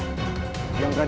ada yang berdebal